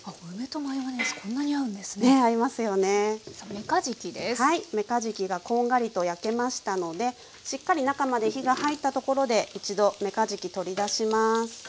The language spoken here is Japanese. めかじきがこんがりと焼けましたのでしっかり中まで火が入ったところで一度めかじき取り出します。